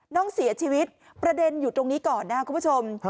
น้องเสียชีวิตประเด็นอยู่ตรงนี้ก่อนนะครับคุณผู้ชม